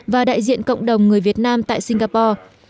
và đại diện cộng đồng người việt nam tại singapore